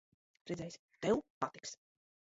Redzēsi, tev patiks.